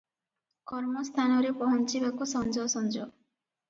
କର୍ମ ସ୍ଥାନରେ ପହଞ୍ଚିବାକୁ ସଞ୍ଜ ସଞ୍ଜ ।